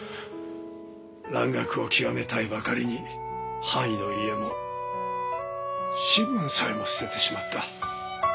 蘭学を究めたいばかりに藩医の家も士分さえも捨ててしまった。